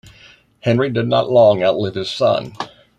Henry did not long outlive his son.